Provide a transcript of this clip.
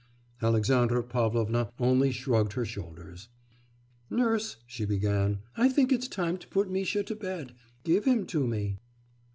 Alexandra Pavlovna only shrugged her shoulders. 'Nurse,' she began, 'I think it's time to put Misha to bed. Give him to me.